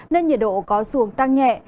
nên nhiệt độ có xuống tăng nhẹ